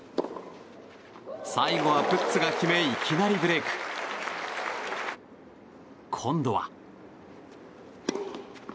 最後はプッツが決めいきなりブレーク！今度は。